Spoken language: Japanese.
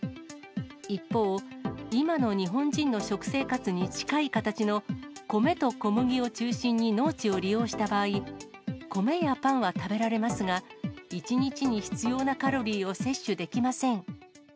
一方、今の日本人の食生活に近い形の米と小麦を中心に農地を利用した場合、米やパンは食べられますが、１日に必要なカロリーを摂取できません。